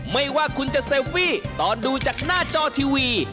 ไม่ว่าคุณจะเซลฟี่ตอนดูจากหน้าจอทีวี